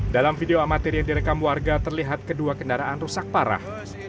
dalam video amatir yang direkam warga terlihat kedua kendaraan rusak parah